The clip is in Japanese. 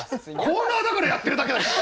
コーナーだからやってるだけだし！